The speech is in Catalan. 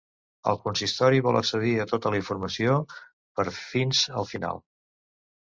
El consistori vol accedir a tota la informació per ‘fins al final’.